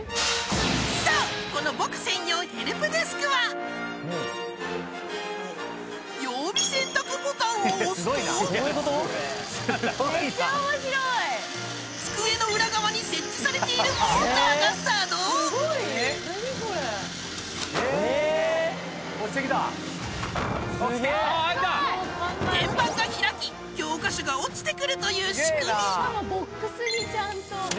そうこの僕専用ヘルプデスクはを押すと机の裏側に設置されているすげえああ入った天板が開き教科書が落ちてくるという仕組み